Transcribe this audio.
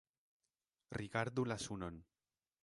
Rigardu la sunon!